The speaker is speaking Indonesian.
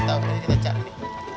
terus kita cari